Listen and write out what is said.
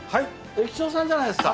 駅長さんじゃないですか。